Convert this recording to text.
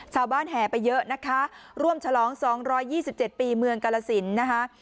ชาวบ้านแห่ไปเยอะนะคะร่วมฉลองสองร้อยยี่สิบเจ็ดปีเมืองกาลสินนะคะ